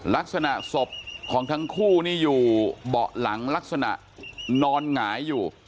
ลักษณะศพของทั้งคู่นี่อยู่เบาะหลังลักษณะนอนหงายอยู่